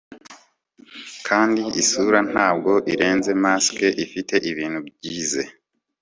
Kandi isura ntabwo irenze mask ifite ibintu byize